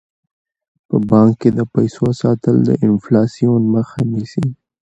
په بانک کې د پیسو ساتل د انفلاسیون مخه نیسي.